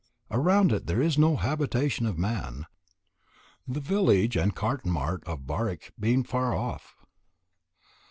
Around it there is no habitation of man the village and the cotton mart of Barich being far off.